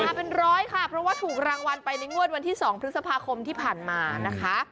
มาเป็นร้อยค่ะเพราะว่าถูกรางวัลไปในงวดวันที่๒พฤษภาคมที่ผ่านมานะคะ